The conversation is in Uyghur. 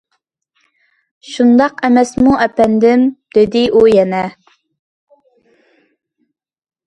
« شۇنداق ئەمەسمۇ، ئەپەندىم؟» دېدى ئۇ يەنە.